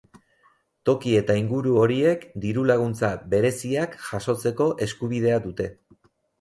Toki eta inguru horiek diru-laguntza bereiziak jasotzeko eskubidea dute.